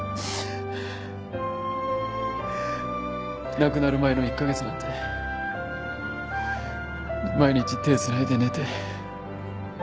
亡くなる前の１カ月なんて毎日手繋いで寝て。